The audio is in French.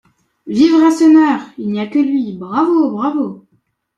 Vive Rasseneur! il n’y a que lui, bravo, bravo !